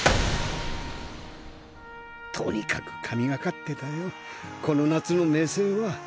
とにかく神がかってたよこの夏の明青は。